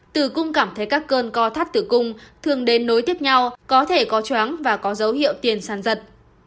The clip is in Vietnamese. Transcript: tử cung cảm thấy các cơn co thắt tử cung thường đến nối tiếp nhau có thể có choáng và có dấu hiệu tiền sàn giật